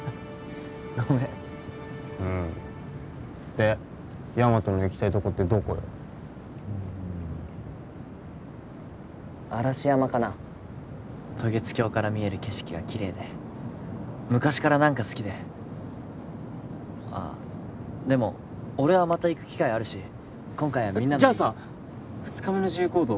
ごめんうんでヤマトの行きたいとこってどこよ嵐山かな渡月橋から見える景色がキレイで昔から何か好きであでも俺はまた行く機会あるし今回はみんなのじゃあさ二日目の自由行動